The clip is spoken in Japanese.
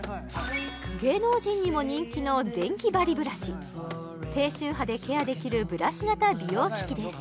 芸能人にも人気の低周波でケアできるブラシ型美容機器です